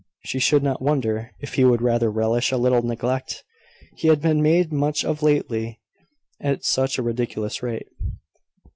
She should not wonder if he would rather relish a little neglect; he had been made much of lately at such a ridiculous rate.